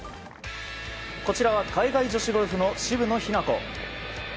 こちらは海外女子ゴルフの渋野日向子。